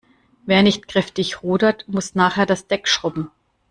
Wer nicht kräftig rudert, muss nachher das Deck schrubben.